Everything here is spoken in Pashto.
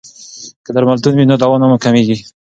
که درملتون وي نو دوا نه کمیږي.